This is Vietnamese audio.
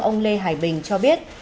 ông lê hải bình cho biết